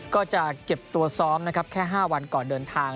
ก็จะเก็บตัวซ้อมนะครับแค่๕วันก่อนเดินทาง